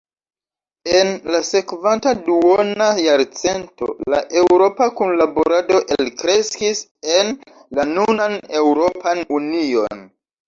En la sekvanta duona jarcento la eŭropa kunlaborado elkreskis en la nunan Eŭropan Union.